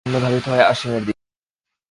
শূন্য ধাবিত হয় অসীমের দিকে।